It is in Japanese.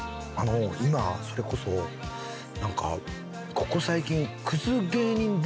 今それこそ何かここ最近。